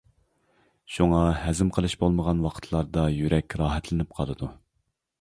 شۇڭا ھەزىم قىلىش بولمىغان ۋاقىتلاردا يۈرەك راھەتلىنىپ قالىدۇ.